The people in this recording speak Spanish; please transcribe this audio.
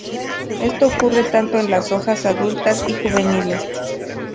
Esto ocurre tanto en las hojas adultas y juveniles.